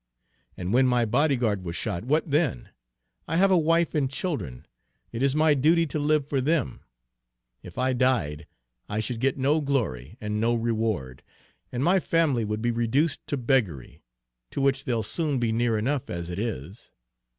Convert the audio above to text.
"And when my body guard was shot, what then? I have a wife and children. It is my duty to live for them. If I died, I should get no glory and no reward, and my family would be reduced to beggary, to which they'll soon be near enough as it is.